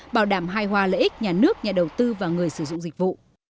bảo đảm hài hòa lợi ích nhà nước nhà đầu tư và người sử dụng dịch vụ